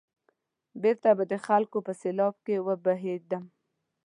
بېرته به د خلکو په سېلاب کې وبهېدم.